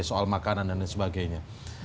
soal makanan dan sebagainya